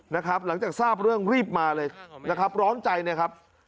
หลังจากทราบเรื่องรีบมาเลยนะครับร้อนใจเนี่ยครับ